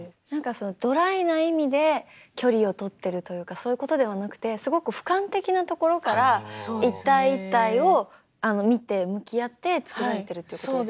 ドライな意味で距離をとってるというかそういうことではなくてすごく俯瞰的なところから一体一体を見て向き合って作られてるっていうことですよね。